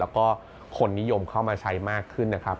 แล้วก็คนนิยมเข้ามาใช้มากขึ้นนะครับ